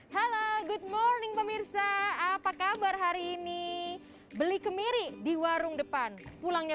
halo good morning pemirsa apa kabar hari ini beli kemiri di warung depan pulangnya